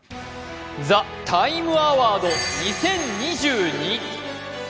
「ＴＨＥＴＩＭＥ，アワード２０２２」